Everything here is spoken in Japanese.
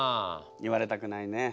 言われたくないね。